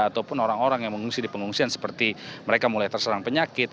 ataupun orang orang yang mengungsi di pengungsian seperti mereka mulai terserang penyakit